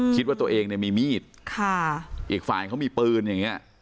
คิดว่าตัวเองเนี่ยมีมีดค่ะอีกฝ่ายเขามีปืนอย่างเงี้ย